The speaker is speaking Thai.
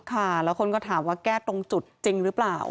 ค่ะแล้วคนก็ถามว่าแก้ตรงจุดจริงหรือเปล่า